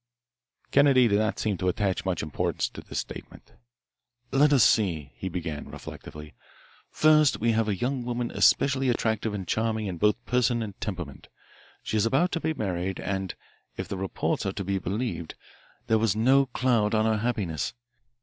Kennedy did not seem to attach much importance to this statement. "Let us see," he began reflectively. "First, we have a young woman especially attractive and charming in both person and temperament. She is just about to be married and, if the reports are to be believed, there was no cloud on her happiness.